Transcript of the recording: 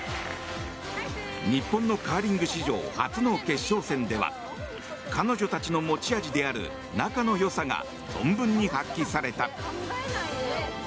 日本のカーリング史上初の決勝戦では彼女たちの持ち味である仲のよさが存分に発揮された。